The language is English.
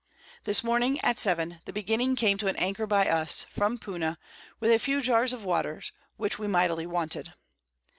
This Morning, at 7, the Beginning came to an Anchor by us, from Puna, with a few Jarrs of Water, which we mightily wanted.